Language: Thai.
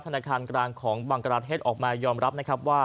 ธนาคารกลางของบังกราเทศออกมายอมรับนะครับว่า